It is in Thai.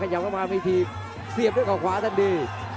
ยังก็มามีทีเสียบด้วยข่าวขวาท่านดี